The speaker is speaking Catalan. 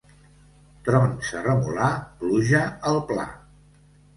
Trons a Remolar, pluja al pla.